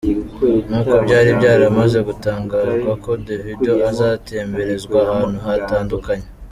Nkuko byari byaramaze gutangazwa ko Davido azatemberezwa ahantu hatandukanye .